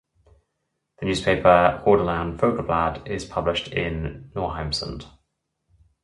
The newspaper "Hordaland Folkeblad" is published in Norheimsund.